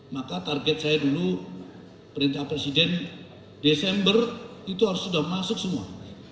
maka target saya dulu perintah presiden desember itu harus sudah masuk semua